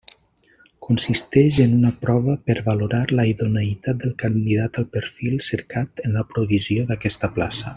Consisteix en una prova per valorar la idoneïtat del candidat al perfil cercat en la provisió d'aquesta plaça.